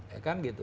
ya kan gitu